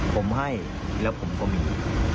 ผมให้แล้วผมก็มี